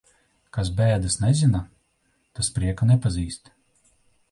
Kas bēdas nezina, tas prieka nepazīst.